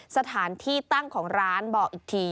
สถานที่ตั้งของร้านบอกอีกที